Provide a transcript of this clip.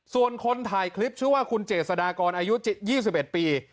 ส่วนคนถ่ายคลิปชื่อว่าคุณเจษฎากรอายุ๒๑ปี